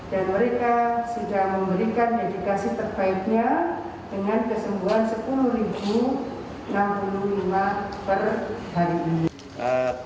dan mereka sudah memberikan dedikasi terbaiknya dengan kesembuhan sepuluh enam puluh lima per hari ini